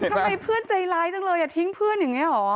ทำไมเพื่อนใจร้ายจังเลยทิ้งเพื่อนอย่างนี้หรอ